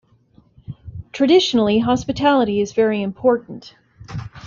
Traditionally, hospitality is very important.